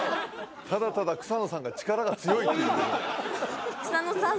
ただただ草野さんが力が強いという草野さん